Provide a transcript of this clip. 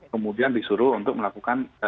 kemudian disuruh untuk melakukan